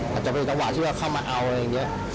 อาจจะเป็นจังหวะที่ว่าเข้ามาเอาอะไรอย่างนี้